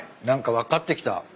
何か分かってきた。